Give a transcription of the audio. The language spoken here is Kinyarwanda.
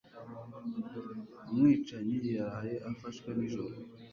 Umwicanyi yaraye afashwe nijoro.